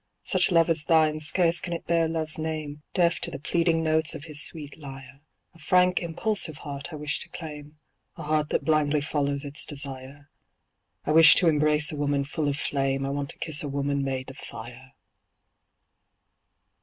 Such love as thine, scarce can it bear love's name, Deaf to the pleading notes of his sweet lyre, A frank, impulsive heart I wish to claim, A heart that blindly follows its desire. I wish to embrace a woman full of flame, I want to kiss a woman made of fire.